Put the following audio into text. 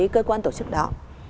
cơ quan tổ chức đó